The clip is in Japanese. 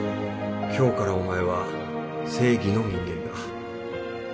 今日からお前は正義の人間だ